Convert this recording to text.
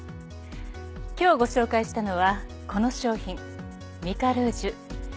今日ご紹介したのはこの商品ミカルージュ。